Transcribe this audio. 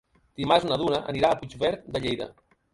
Dimarts na Duna anirà a Puigverd de Lleida.